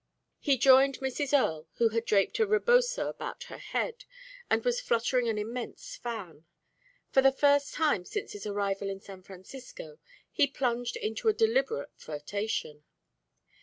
He joined Mrs. Earle, who had draped a reboso about her head, and was fluttering an immense fan. For the first time since his arrival in San Francisco, he plunged into a deliberate flirtation.